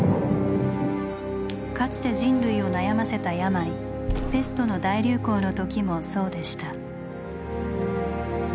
かつて人類を悩ませた病「ペスト」の大流行の時もそうでした。